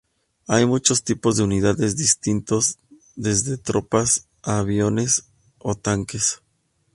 Hay muchos tipos de unidades distintos, desde tropas a aviones o tanques.